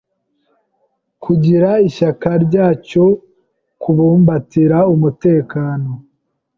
n kugira ishyaka rya cyo, kubumbatira umutekano